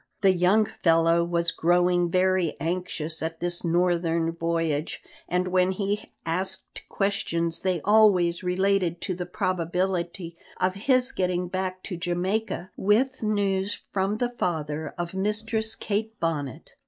The young fellow was growing very anxious at this northern voyage, and when he asked questions they always related to the probability of his getting back to Jamaica with news from the father of Mistress Kate Bonnet.